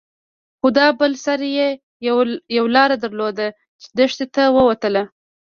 خو دا بل سر يې يوه لاره درلوده چې دښتې ته وتله.